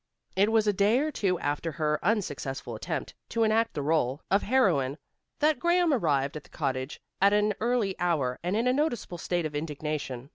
It was a day or two after her unsuccessful attempt to enact the rôle of heroine that Graham arrived at the cottage at an early hour and in a noticeable state of indignation.